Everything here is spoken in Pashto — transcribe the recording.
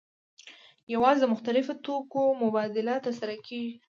یوازې د مختلفو توکو مبادله ترسره کیږي.